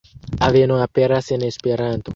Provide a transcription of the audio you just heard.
Aveno aperas en Esperanto.